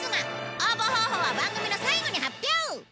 応募方法は番組の最後に発表！